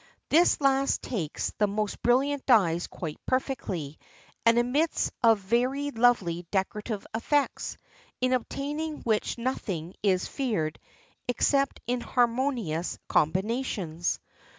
This last takes the most brilHant dyes quite perfectly, and admits of very lovely decorative effects, in obtaining which nothing is feared except inharmonious combinations.